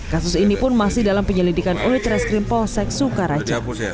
kasus ini pun masih dalam penyelidikan oleh trashcrimpo seksukaraja